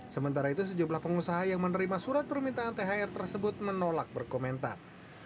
sementara itu sejumlah pengusaha yang menerima surat permintaan thr tersebut menolak berkomentar